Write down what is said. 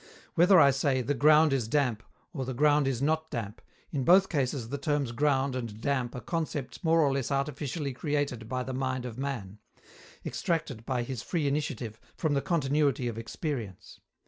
Whether I say "The ground is damp" or "The ground is not damp," in both cases the terms "ground" and "damp" are concepts more or less artificially created by the mind of man extracted, by his free initiative, from the continuity of experience.